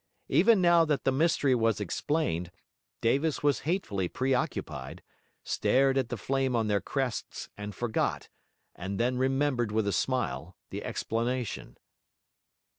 Even now that the mystery was explained, Davis was hatefully preoccupied, stared at the flame on their crests, and forgot, and then remembered with a smile, the explanation.